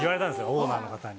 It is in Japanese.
オーナーの方に。